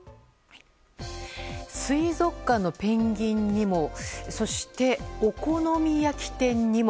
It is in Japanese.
水族館のペンギンにもそして、お好み焼き店にも。